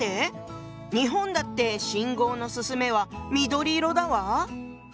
日本だって信号の「進め」は緑色だわ。